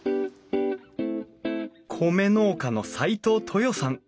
米農家の齋藤トヨさん。